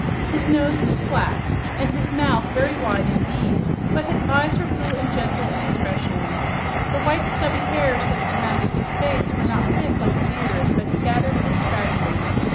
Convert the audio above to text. His nose was flat, and his mouth very wide indeed, but his eyes were blue and gentle in expression. The white, stubby hairs that surrounded his face were not thick like a beard, but scattered and scraggly.